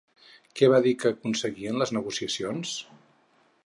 Què va dir que aconseguien les negociacions?